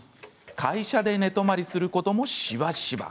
会社で寝泊まりすることもしばしば。